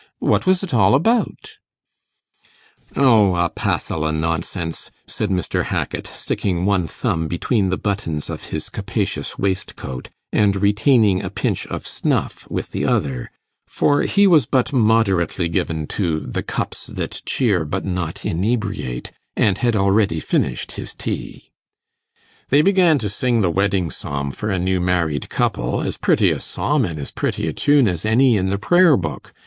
What was it all about?' 'O, a passill o' nonsense,' said Mr. Hackit, sticking one thumb between the buttons of his capacious waistcoat, and retaining a pinch of snuff with the other for he was but moderately given to 'the cups that cheer but not inebriate', and had already finished his tea; 'they began to sing the wedding psalm for a new married couple, as pretty a psalm an' as pretty a tune as any in the prayer book.